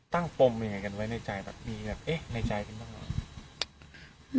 ปมยังไงกันไว้ในใจแบบมีแบบเอ๊ะในใจกันบ้างเหรอ